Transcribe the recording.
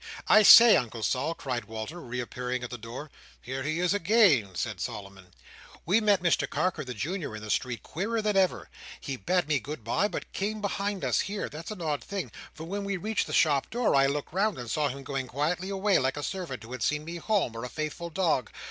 "I say, Uncle Sol," cried Walter, reappearing at the door. "Here he is again!" said Solomon. "We met Mr Carker the Junior in the street, queerer than ever. He bade me good bye, but came behind us here—there's an odd thing!—for when we reached the shop door, I looked round, and saw him going quietly away, like a servant who had seen me home, or a faithful dog.